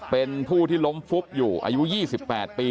เป็นผู้ที่ล้มฟุบอยู่อายุ๒๘ปี